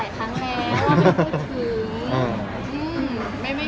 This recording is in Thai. ไม่อยากพูดถึง